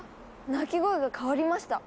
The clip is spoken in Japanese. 鳴き声が変わりました！